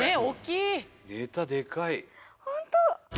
ホント。